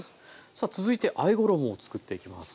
さあ続いてあえ衣をつくっていきます。